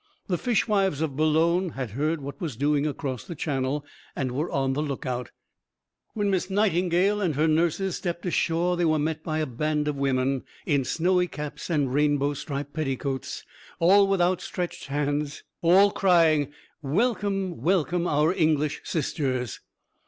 The fishwives of Boulogne had heard what was doing across the Channel, and were on the lookout. When Miss Nightingale and her nurses stepped ashore they were met by a band of women, in snowy caps and rainbow striped petticoats, all with outstretched hands, all crying, "Welcome, welcome, our English sisters!"